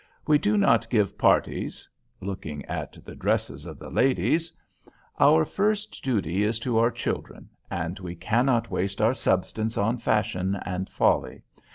We do not give parties [looking at the dresses of the ladies]. Our first duty is to our children, and we cannot waste our substance on fashion and folly.